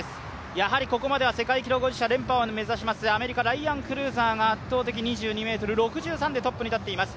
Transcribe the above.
やはりここまでは世界選手権連覇を目指します、アメリカ、ライアン・クルーザーが圧倒的トップに立っています。